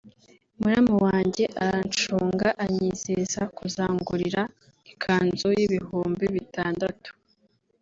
muramu wanjye arancunga anyizeza kuzangurira ikanzu y’ibihumbi bitandatu